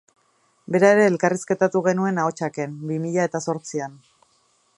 Bera ere elkarrizketatu genuen Ahotsak-en, bi mila eta zortzian.